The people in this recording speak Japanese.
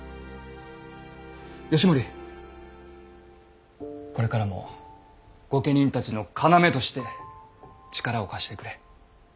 義盛これからも御家人たちの要として力を貸してくれ。